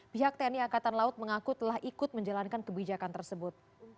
pihak tni angkatan laut mengaku telah ikut menjalankan kebijakan tersebut